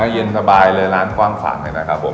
เย็นสบายเลยร้านกว้างฝังเนี่ยนะครับผม